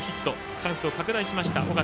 チャンスを拡大しました、尾形。